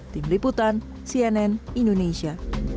tim liputan cnn indonesia